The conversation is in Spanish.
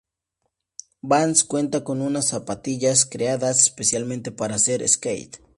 Vans cuenta con unas zapatillas creadas específicamente para hacer skate.